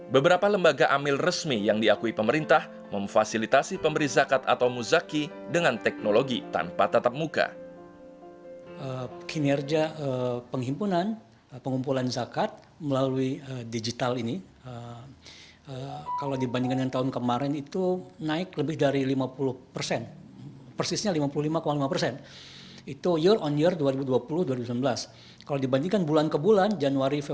beberapa lembaga amil resmi yang diakui pemerintah memfasilitasi pemberi zakat atau muzaki dengan teknologi tanpa tatap muka